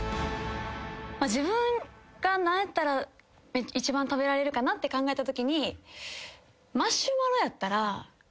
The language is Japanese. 自分が何やったら一番食べられるかなって考えたときに。